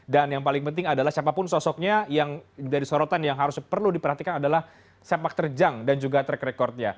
dan yang paling penting adalah siapapun sosoknya yang dari sorotan yang harus perlu diperhatikan adalah sepak terjang dan juga track recordnya